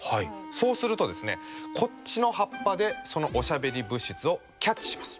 そうするとこっちの葉っぱでそのおしゃべり物質をキャッチします。